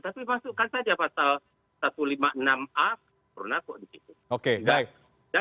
tapi masukkan saja pasal satu ratus lima puluh enam a